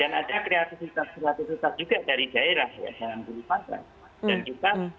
dan ada kreativitas kreativitas juga dari daerah yang berpandang